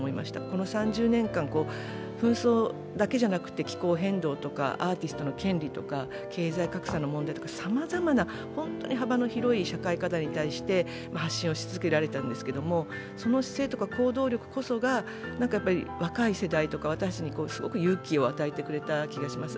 この３０年間、紛争だけじゃなくて気候変動だとか、アーティストの権利とか経済格差の問題、さまざまな本当に幅の広い社会課題に対して発信を続けられたんですけれども、その姿勢とか行動力こそが、若い世代とか私たちにすごく勇気を与えてくれた気がします。